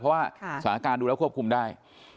เพราะว่าสถานการณ์ดูแล้วควบคุมได้